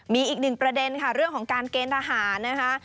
มีอีกหนึ่งประเด็นค่ะเรื่องของการเกณฑ์ทหารนะคะ